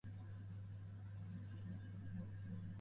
— Acha xolaning foli to‘g‘ri chiqadi demaganmidim.